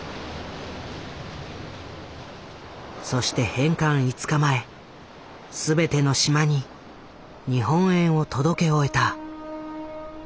そして返還５日前すべての島に日本円を届け終えた。